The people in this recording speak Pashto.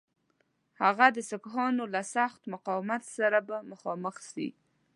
هغه د سیکهانو له سخت مقاومت سره به مخامخ سي.